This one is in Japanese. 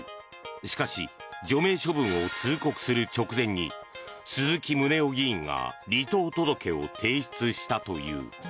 しかし除名処分を通告する直前に鈴木宗男議員が離党届を提出したという。